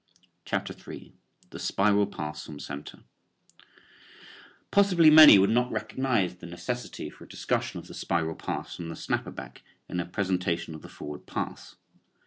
CHAPTER III. THE SPIRAL PASS FROM CENTER. Possibly many would not recognize the necessity for a discussion of the spiral pass from the snapper back in a presentation of the forward pass.